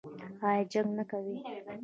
ایا جنګ نه کوي؟